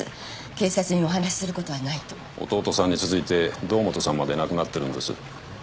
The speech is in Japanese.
警察にお話することはないと弟さんに続いて堂本さんまで亡くなってるんです